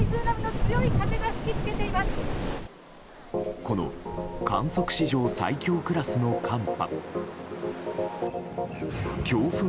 この観測史上最強クラスの寒波。